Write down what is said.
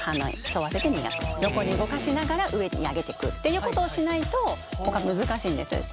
横に動かしながら上に上げてくっていうことをしないと難しいんです。